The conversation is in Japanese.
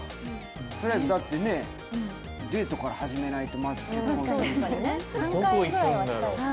とりあえず、だってねデートから始めないと。